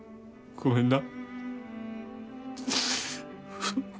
ごめんな。